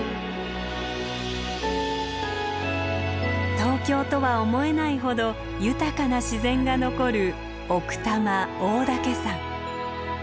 東京とは思えないほど豊かな自然が残る奥多摩大岳山。